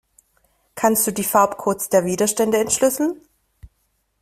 Kannst du die Farbcodes der Widerstände entschlüsseln?